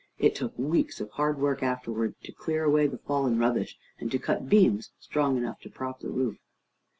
It took weeks of hard work afterwards to clear away the fallen rubbish, and to cut beams strong enough to prop the roof.